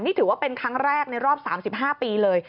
นี่ถือว่าเป็นครั้งแรกในรอบ๓๕ปีเลย